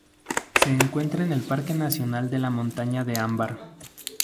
Se encuentra en el Parque nacional de la Montaña de Ámbar.